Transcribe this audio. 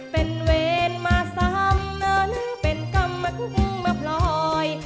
เป็นเวรมาซ้ำนั้นเป็นกรรมกุ้งมาพลอย